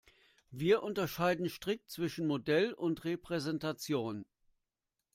Wir unterscheiden strikt zwischen Modell und Repräsentation.